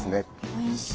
おいしい！